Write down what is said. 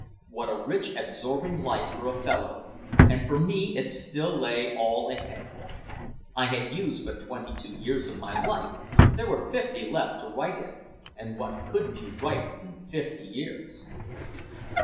What a rich absorbing life for a fellow, and for me it still lay all ahead. I had used but twenty two years of my life, there were fifty left to write in, and what couldn't you write in fifty years!